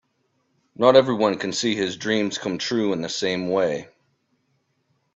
Not everyone can see his dreams come true in the same way.